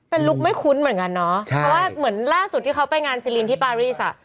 เป็นลุคไม่คุ้นเหมือนกันเนาะเพราะว่าเหมือนล่าสุดที่เขาไปงานซีลินที่ปารีสอ่ะ